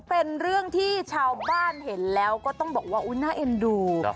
เป็นเรื่องที่ชาวบ้านเห็นแล้วก็ต้องบอกว่าน่าเอ็นดู